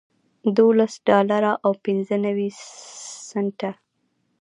دولس ډالره او پنځه نوي سنټه